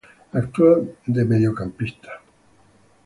Actúa de mediocampista.